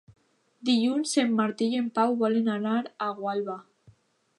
Dilluns en Martí i en Pau volen anar a Gualba.